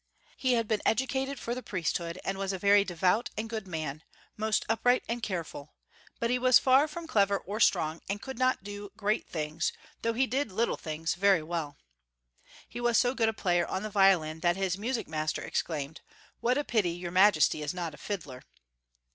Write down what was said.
He liad been educated for the priesthood, and was a very devout and good man, most upright and careful, but he was far from clever or strong, and could not do great tilings, though he did little 858 LeofoU 1. 859 things, very well. He was so good a player on the violin tliat hia music master exclaimed — "Wliat a pity your majesty is not a fiddler!"